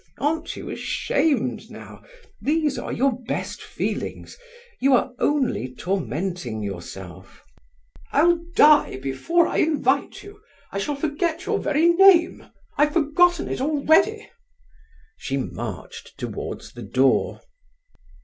Aren't you ashamed now? These are your best feelings; you are only tormenting yourself." "I'll die before I invite you! I shall forget your very name! I've forgotten it already!" She marched towards the door.